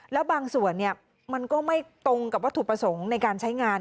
แล้วบางส่วนมันก็ไม่ตรงกับวัตถุประสงค์ในการใช้งาน